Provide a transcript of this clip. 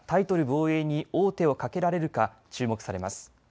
防衛に王手をかけられるか注目されます。